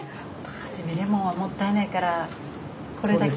初めレモンはもったいないからこれだけ。